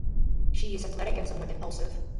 She is athletic and somewhat impulsive.